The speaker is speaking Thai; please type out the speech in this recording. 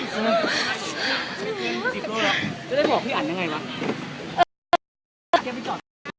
จะได้บอกพี่อันยังไงวะ